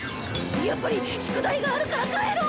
やっぱり宿題があるから帰ろう！